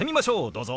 どうぞ。